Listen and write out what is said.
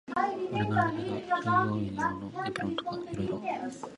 丸められた従業員用のエプロンとか色々